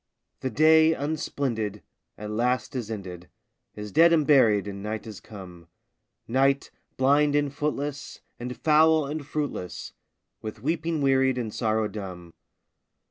The day, unsplendid, at last is ended, Is dead and buried, and night has come; Night, blind and footless, and foul and fruitless, With weeping wearied, and sorrow dumb.